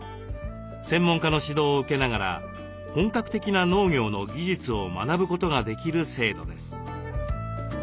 専門家の指導を受けながら本格的な農業の技術を学ぶことができる制度です。